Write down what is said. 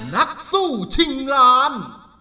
นักสู้ชิงล้าน